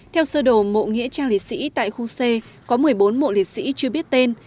theo sơ đồ mộ nghĩa trang liệt sĩ tại khu c có một mươi bốn mộ liệt sĩ chưa biết tên